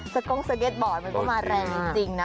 กล้องสเก็ตบอร์ดมันก็มาแรงจริงนะ